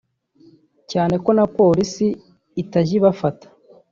cyane ko na Polisi itajya ibafata